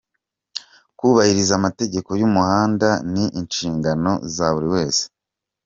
Kubahiriza amategeko y’umuhanda ni inshingano za buri wese.